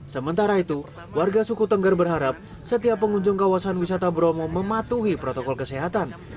sementara itu warga suku tengger berharap setiap pengunjung kawasan wisata bromo mematuhi protokol kesehatan